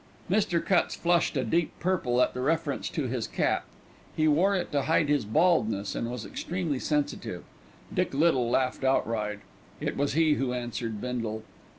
Mr. Cutts flushed a deep purple at the reference to his cap. He wore it to hide his baldness, and was extremely sensitive. Dick Little laughed outright. It was he who answered Bindle.